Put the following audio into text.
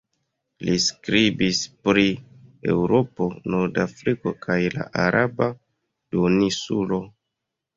Li skribis pri Eŭropo, Nordafriko kaj la araba duoninsulo.